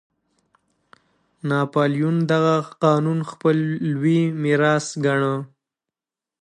ناپلیون دغه قانون خپل لوی میراث ګاڼه.